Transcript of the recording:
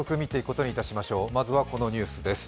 まずはこのニュースです。